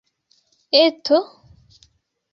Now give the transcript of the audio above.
Eto?